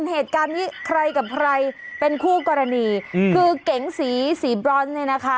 เหตุการณ์นี้ใครกับใครเป็นคู่กรณีคือเก๋งสีสีบรอนซ์เนี่ยนะคะ